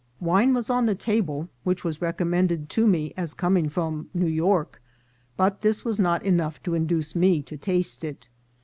Wine was on the table, which was recommended to me as coming from New York, but this was not enough to induce me to taste it.